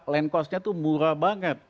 land cost nya tuh murah banget